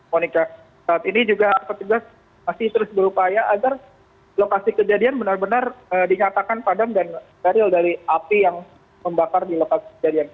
monika saat ini juga petugas masih terus berupaya agar lokasi kejadian benar benar dinyatakan padam dan steril dari api yang membakar di lokasi kejadian